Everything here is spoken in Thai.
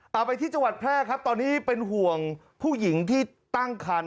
เอาไปที่จังหวัดแพร่ครับตอนนี้เป็นห่วงผู้หญิงที่ตั้งคัน